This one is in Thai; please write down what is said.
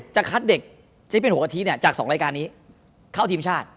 จะคัดเด็กที่เป็นหัวกะทิเนี่ยจาก๒รายการนี้เข้าทีมชาติ